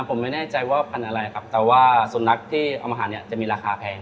ผมไม่แน่ใจว่าพันธุ์อะไรครับแต่ว่าสุนัขที่เอามาหาเนี่ยจะมีราคาแพง